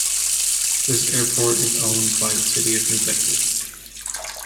This airport is owned by the City of New Bedford.